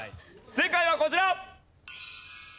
正解はこちら。